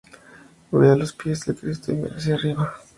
Va a los pies del Cristo y mira hacia arriba.